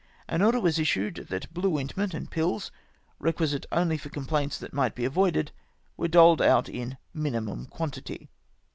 An order was issued that bhie ointment and pills, recjuisite only for complaints that might be avoided, were doled out in minimum quantity.